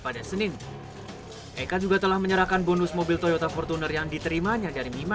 pada senin eka juga telah menyerahkan bonus mobil toyota fortuner yang diterimanya dari mima